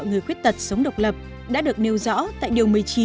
người khuyết tật sống độc lập đã được nêu rõ tại điều một mươi chín